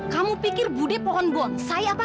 kamu pikir budi pohon bon saya apa